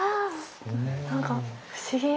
何か不思議。